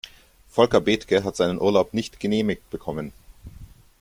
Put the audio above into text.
Volker Bethke hat seinen Urlaub nicht genehmigt bekommen.